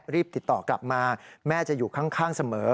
รีบติดต่อกลับมาแม่จะอยู่ข้างเสมอ